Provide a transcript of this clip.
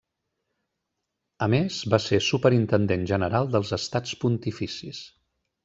A més va ser superintendent general dels Estats Pontificis.